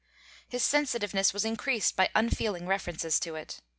His sensitiveness was increased by unfeeling references to it.